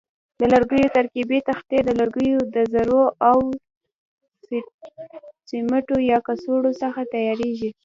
د لرګیو ترکیبي تختې د لرګیو له ذرو او سیمټو یا ګچو څخه تیاریږي.